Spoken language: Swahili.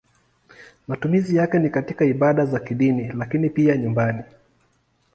Matumizi yake ni katika ibada za kidini lakini pia nyumbani.